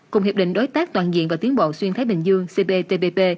cùng hiệp định đối tác toàn diện và tiến bộ xuyên thái bình dương cptpp